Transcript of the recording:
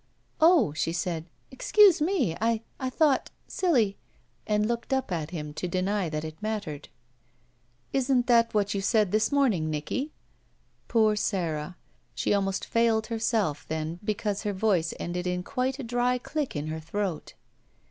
"Oh," she said, "excuse me! I — I — ^thought — silly —" and looked up at him to deny that it mattered. "Isn't that what you said this morning, Nicky?" Poor Sara, she almost failed herself then because her voice ended in quite a dry click in her throat.